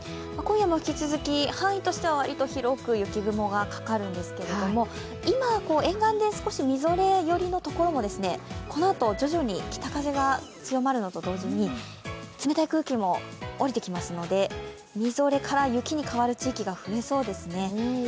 今夜も引き続き、範囲としては広く雪雲がかかるんですが、今、沿岸で少しみぞれ寄りの所もこのあと徐々に北風が強まるのと同時に冷たい空気も下りてきますので、みぞれから雪に変わる地域が増えそうですね。